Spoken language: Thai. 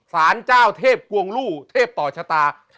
สารเจ้าเทพกวงลู่เทพต่อชะตา